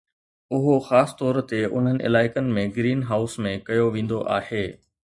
اهو خاص طور تي انهن علائقن ۾ گرين هائوس ۾ ڪيو ويندو آهي